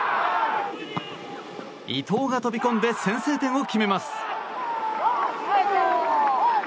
伊東が飛び込んで先制点を決めます。